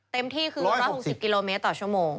เต็มที่คือ๑๖๐กิโลเมตรต่อชั่วโมง